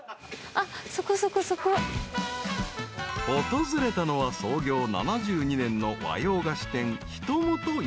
［訪れたのは創業７２年の和洋菓子店］